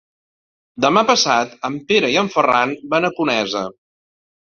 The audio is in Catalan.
Demà passat en Pere i en Ferran van a Conesa.